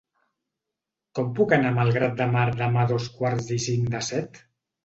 Com puc anar a Malgrat de Mar demà a dos quarts i cinc de set?